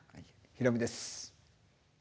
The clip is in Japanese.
ヒロミです。